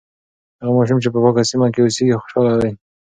هغه ماشوم چې په پاکه سیمه کې اوسیږي، خوشاله وي.